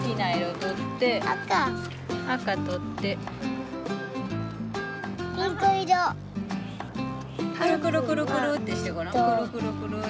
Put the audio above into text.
くるくるくるくるってしてごらん。